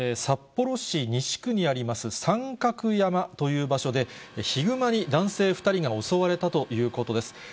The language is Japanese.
札幌市西区にあります、三角山という場所で、ヒグマに男性２人が襲われたということです。